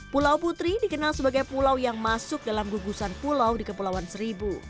pulau putri dikenal sebagai pulau yang masuk dalam gugusan pulau di kepulauan seribu